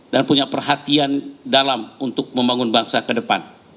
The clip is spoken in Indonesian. dan punya perhatian dalam untuk membangun bangsa kedepan